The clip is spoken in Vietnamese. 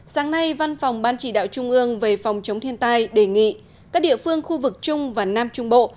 sáng nay văn phòng ban chỉ đạo trung ương về phòng chống thiên tai đề nghị các địa phương khu vực trung và nam trung bộ